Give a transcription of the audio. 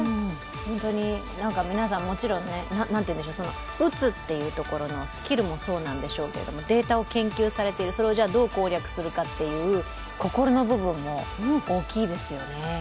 皆さん、もちろん打つっていうところのスキルもそうなんでしょうけどデータを研究されている、それをどう攻略するかという心の部分も大きいですよね。